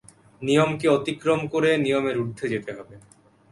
নিয়মকে অতিক্রম করে নিয়মের ঊর্ধ্বে যেতে হবে।